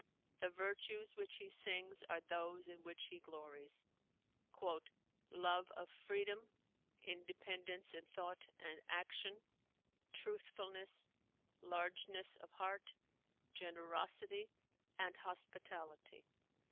The virtues which he sings are those in which he glories, "love of freedom, independence in thought and action, truthfulness, largeness of heart, generosity, and hospitality."